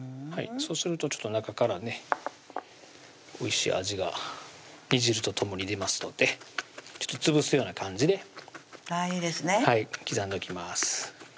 そうすると中からねおいしい味が煮汁と共に出ますのでちょっと潰すような感じでいいですね刻んでおきます